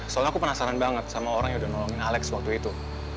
soalnya aku penasaran banget sama orang yang udah nolongin alex waktu itu